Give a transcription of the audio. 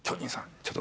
ちょっと」